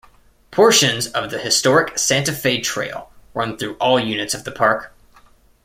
Portions of the historic Santa Fe Trail run through all units of the park.